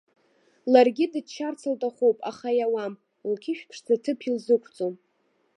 Ларгьы дыччарц лҭахуп, аха иауам, лқьышә ԥшӡа аҭыԥ илзықәҵом.